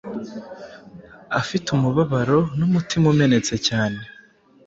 Afite umubabaro n’umutima umenetse cyane